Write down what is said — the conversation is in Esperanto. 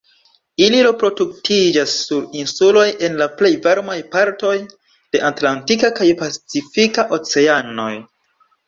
Ili reproduktiĝas sur insuloj en la plej varmaj partoj de Atlantika kaj Pacifika Oceanoj.